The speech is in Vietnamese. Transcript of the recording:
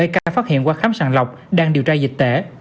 hai ca phát hiện qua khám sàng lọc đang điều tra dịch tễ